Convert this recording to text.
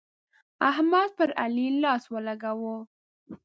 احمد پر علي لاس ولګاوو.